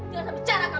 janganlah bicara kamu